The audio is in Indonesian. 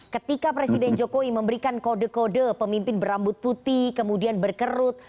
ketika presiden jokowi memberikan kode kode pemimpin berambut putih kemudian berkerut